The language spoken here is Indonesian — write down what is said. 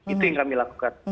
itu yang kami lakukan